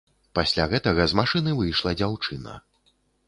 Пасля гэтага з машыны выйшла дзяўчына.